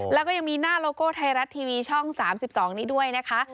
แล้วก็ยังมีหน้าโลโก้ไทยรัฐทีวีช่อง๓๒นี้ด้วยนะคะ